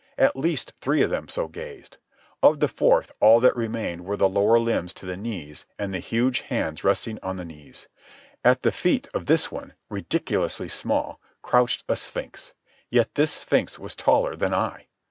At least three of them so gazed. Of the fourth all that remained were the lower limbs to the knees and the huge hands resting on the knees. At the feet of this one, ridiculously small, crouched a sphinx; yet this sphinx was taller than I.